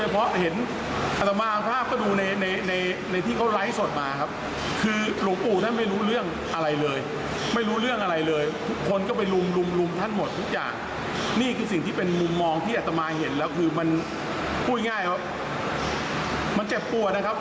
มันเจ็บตัวนะครับกับพระรูปหนึ่งอายุทั้ง๙๐กว่านะครับ